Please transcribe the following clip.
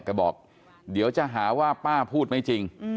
บอกเดี๋ยวจะหาว่าป้าพูดไม่จริง